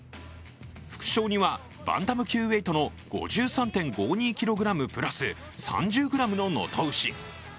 副賞には、バンタム級ウエイトの５３．５２ｋｇ＋３０ｇの能登牛。